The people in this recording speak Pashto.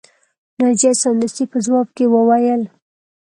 ناجیه سمدستي په ځواب کې وویل